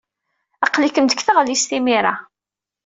Aql-ikem deg tɣellist imir-a.